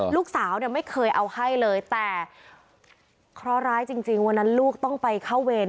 ลูกสาวเนี่ยไม่เคยเอาให้เลยแต่เคราะห์ร้ายจริงวันนั้นลูกต้องไปเข้าเวร